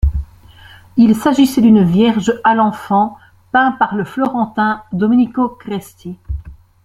Il s'agissait d'une Vierge à l'enfant peint par le florentin Dominico Cresti.